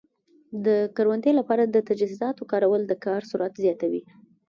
د کروندې لپاره د تجهیزاتو کارول د کار سرعت زیاتوي.